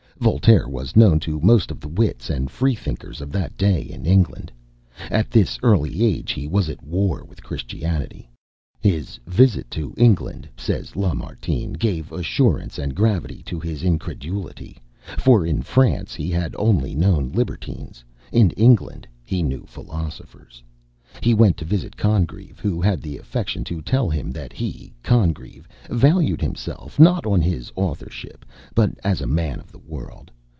Voltaire was known to most of the wits and Freethinkers of that day in England. At this early age he was at war with Christianity. "His visit to England," says Lamartine, "gave assurance and gravity to his incredulity; for in France he had only known libertines in England he knew philosophers." He went to visit Congreve, who had the affectation to tell him that he (Congreve) valued himself, not on his authorship, but as a man of the world.